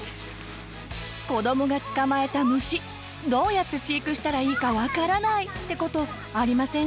子どもが捕まえた虫どうやって飼育したらいいか分からないって事ありませんか？